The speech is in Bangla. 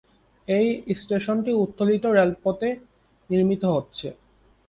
এই স্টেশনটি উত্তোলিত রেলপথে নির্মিত হচ্ছে।